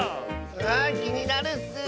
あきになるッス。